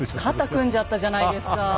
肩組んじゃったじゃないですか。